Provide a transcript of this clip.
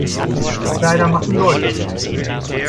Kleider machen Leute.